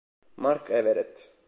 Mark Everett